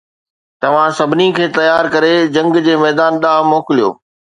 توهان سڀني کي تيار ڪري جنگ جي ميدان ڏانهن موڪليو